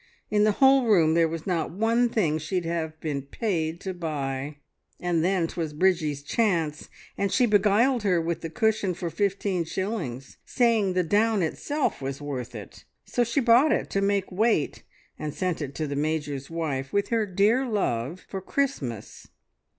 In the whole room there was not one thing she'd have been paid to buy. "And then 'twas Bridgie's chance, and she beguiled her with the cushion for fifteen shillings, saying the down itself was worth it. So she bought it to make weight, and sent it to the Major's wife, with her dear love, for Christmas.